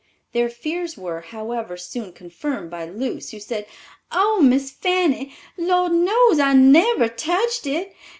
Their fears were, however, soon confirmed by Luce, who said, "Oh, Miss Fanny, Lor' knows I never tached it.